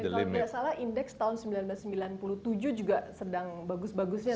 dan kalau tidak salah indeks tahun seribu sembilan ratus sembilan puluh tujuh juga sedang bagus bagusnya tuh pak ya